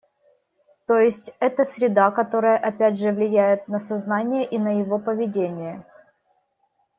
То есть это среда, которая опять же влияет на сознание и на его поведение